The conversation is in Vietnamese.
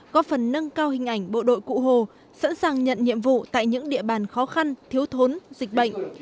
góp phần nâng cao hình ảnh bộ đội cụ hồ sẵn sàng nhận nhiệm vụ tại những địa bàn khó khăn thiếu thốn dịch bệnh